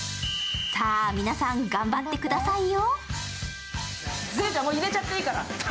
さあ、皆さん頑張ってくださいよ